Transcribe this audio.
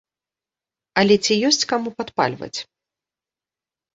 Але ці ёсць каму падпальваць?